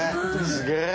すげえ！